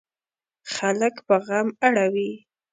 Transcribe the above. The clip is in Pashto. خلک په غم اړوي.